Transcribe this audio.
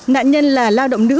nạn nhân là lao động nữ